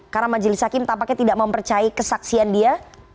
karena majelis hakim tampaknya tidak mempercayai kesaksian dia